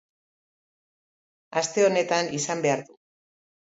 Aste honetan izan behar du.